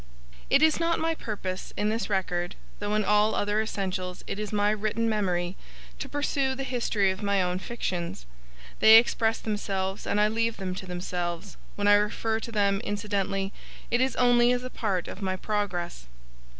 It is not my purpose, in this record, though in all other essentials it is my written memory, to pursue the history of my own fictions. They express themselves, and I leave them to themselves. When I refer to them, incidentally, it is only as a part of my progress.